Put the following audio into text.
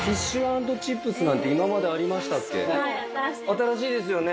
新しいですよね？